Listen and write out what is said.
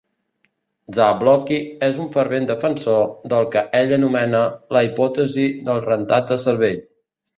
Zablocki és un fervent defensor del que ell anomena "la hipòtesi del rentat de cervell".